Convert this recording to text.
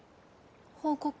報告？